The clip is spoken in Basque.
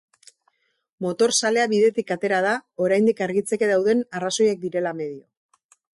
Motorzalea bidetik atera da, oraindik argitzeke dauden arrazoiak direla medio.